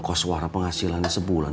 kos warah penghasilannya sebulan